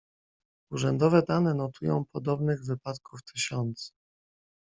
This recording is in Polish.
"Urzędowe dane notują podobnych wypadków tysiące..."